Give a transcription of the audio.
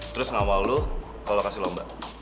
terus ngawal lo kalau kasih lomba